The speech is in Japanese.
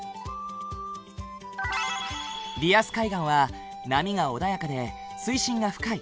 リアス海岸は波が穏やかで水深が深い。